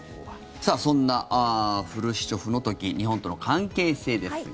そんなフルシチョフの時日本との関係性ですが。